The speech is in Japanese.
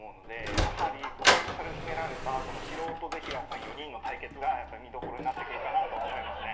やはりポテンシャル秘められた素人ぜひらーさん４人の対決がやっぱり見どころになってくるかなと思いますね。